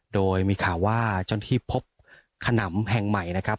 โดยมีข่าวว่าเจ้าหน้าที่พบขนำแห่งใหม่นะครับ